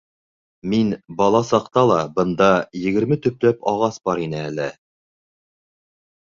Мин бала саҡта ла бында егерме төпләп ағас бар ине әле.